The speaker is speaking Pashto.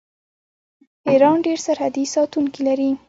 ایران ډیر سرحدي ساتونکي لري.